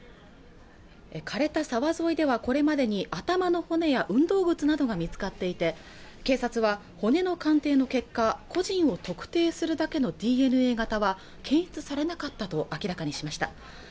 枯れた沢沿いではこれまでに頭の骨や運動靴などが見つかっていて警察は骨の鑑定の結果個人を特定するだけのＤＮＡ型は検出されなかったと明らかにしました